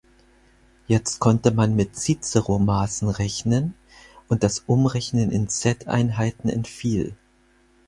Jetzt konnte man mit Cicero-Maßen rechnen und das Umrechnen in Set-Einheiten entfiel.